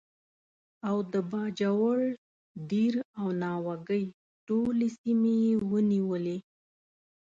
او د باجوړ، دیر او ناوګۍ ټولې سیمې یې ونیولې.